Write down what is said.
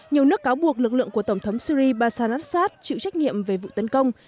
nhiều nước cáo buộc lực lượng của tổng thống syri bashar al assad chịu trách nhiệm về vụ tấn công